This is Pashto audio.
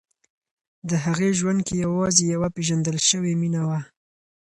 د هغې ژوند کې یوازې یوه پېژندل شوې مینه وه.